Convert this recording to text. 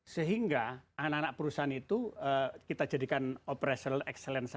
sehingga anak anak perusahaan itu kita jadikan operational excellence saja